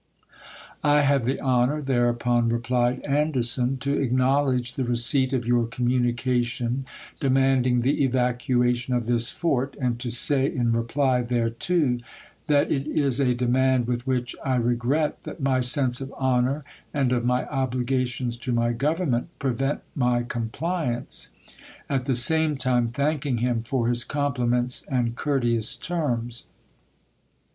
" I have the honor," thereupon I., p. 18. . replied Anderson, "to acknowledge the receipt of your communication demanding the evacuation of this fort ; and to say in reply thereto, that it is a demand with which I regret that my sense of honor, to^filaure; and of my obligations to my Government, prevent 11. 1861. my compliance "; at the same time thanking him i.,p. 13. * for his compliments and courteous terms.